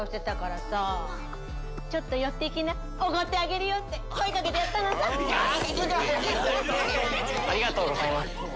ありがとうございます。